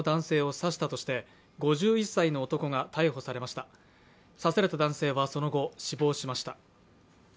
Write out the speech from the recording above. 刺された男性は、その後死亡しました。